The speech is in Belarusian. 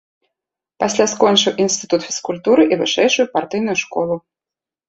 Пасля скончыў інстытут фізкультуры і вышэйшую партыйную школу.